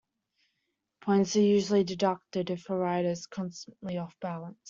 Points are usually deducted if a rider is constantly off balance.